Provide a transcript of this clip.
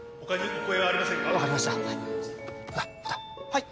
はい。